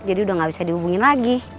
jadi udah gak bisa dihubungin lagi